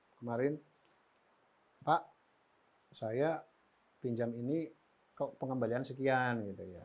kemarin pak saya pinjam ini pengembalian sekian